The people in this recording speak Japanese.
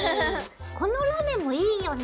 このラメもいいよね！